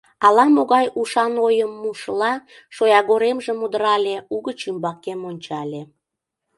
Ала-могай ушан ойым мушыла, шоягоремжым удырале, угыч ӱмбакем ончале.